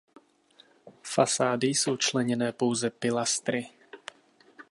Fasády jsou členěné pouze pilastry.